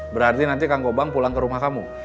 berarti nanti kang gobang pulang ke rumah kamu